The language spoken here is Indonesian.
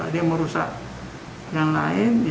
dia merusak yang lain